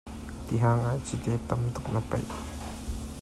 Tihang ah cite tam tuk na paih.